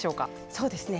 そうですね。